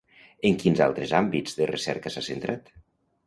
En quins altres àmbits de recerca s'ha centrat?